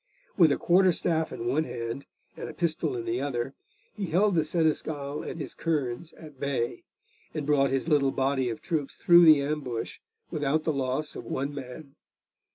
With a quarter staff in one hand and a pistol in the other, he held the Seneschal and his kerns at bay, and brought his little body of troops through the ambush without the loss of one man.